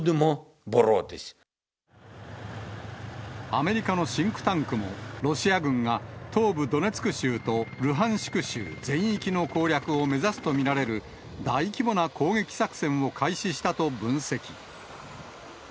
アメリカのシンクタンクも、ロシア軍が東部ドネツク州とルハンシク州全域の攻略を目指すと見られる、大規模な攻撃作戦を開始したと分析。